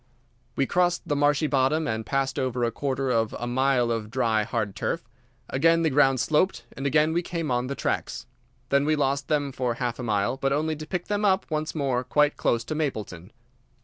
We crossed the marshy bottom and passed over a quarter of a mile of dry, hard turf. Again the ground sloped, and again we came on the tracks. Then we lost them for half a mile, but only to pick them up once more quite close to Mapleton.